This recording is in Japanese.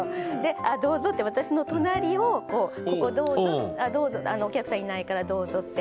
あどうぞって私の隣をこうここどうぞお客さんいないからどうぞって。